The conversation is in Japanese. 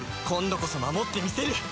今度こそ守ってみせる！